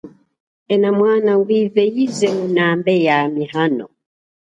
Ena mwana, ngwive yize nguna handjika hano.